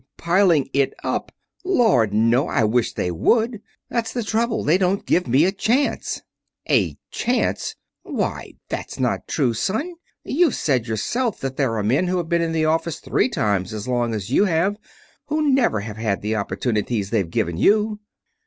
"Piling it up! Lord, no! I wish they would. That's the trouble. They don't give me a chance." "A chance! Why, that's not true, son. You've said yourself that there are men who have been in the office three times as long as you have, who never have had the opportunities that they've given you."